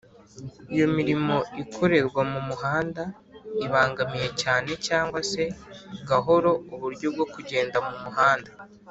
iyo imirimo ikorerwa mumuhanda ibangamiye cyane cg se gahoro uburyo bwo kugenda mu muhanda